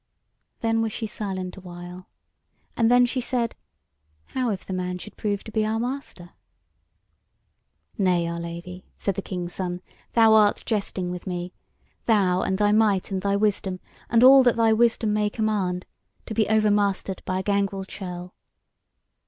Then was she silent a while; and then she said: "How if the man should prove to be our master?" "Nay, our Lady," said the King's Son, "thou art jesting with me; thou and thy might and thy wisdom, and all that thy wisdom may command, to be over mastered by a gangrel churl!"